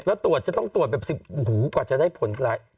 แล้วตรวจจะต้องตรวจแบบ๑๐หูกว่าจะได้ผลร้าย